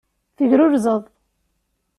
Tegrurzeḍ.